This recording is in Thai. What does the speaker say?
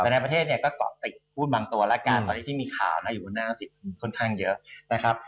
แบรนดาประเทศเนี้ยก็ต่อติดหุ้นบางตัวละกันตอนนี้ที่มีข่าวนะอยู่บนน่าสิ์ค่อนข้างเยอะนะครับ